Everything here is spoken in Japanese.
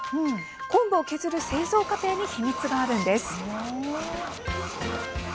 昆布を削る製造過程に秘密があるんです。